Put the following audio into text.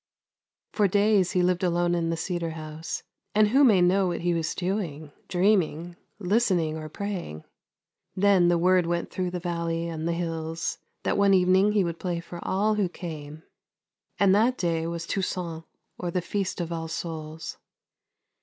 For days he lived alone in the cedar house, — and who may know what he was doing : dreaming, listening, or praying? Then the word went through the valley and the hills, that one evening he would play for all who came ;— and that day was " Toussaint " or the Feast of All Souls.